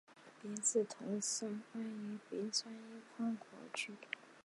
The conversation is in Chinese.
别子铜山是爱媛县新居滨市山间的一片铜矿区。